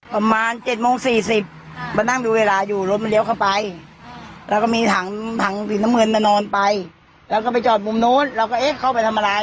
ประมาณ๗โมง๔๐มานั่งดูเวลาอยู่รถมันเลี้ยวเข้าไปแล้วก็มีถังถังสีน้ำเงินมานอนไปแล้วก็ไปจอดมุมนู้นเราก็เอ๊ะเข้าไปทำอะไร